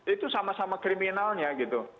itu sama sama kriminalnya gitu